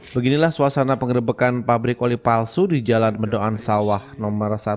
beginilah suasana pengerebekan pabrik oli palsu di jalan medokan sawah no satu ratus enam puluh tujuh